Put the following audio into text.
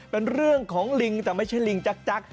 เป็นเรื่องของลิงแต่ไม่ใช่ลิงจักร